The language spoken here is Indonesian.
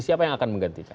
siapa yang akan mengganti